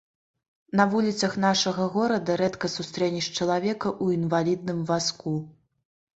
На вуліцах нашага горада рэдка сустрэнеш чалавека ў інвалідным вазку.